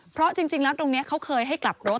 เพราะจริงแล้วตรงนี้เขาเคยให้กลับรถ